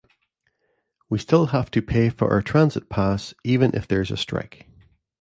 We still have to pay for our transit pass even if there's a strike.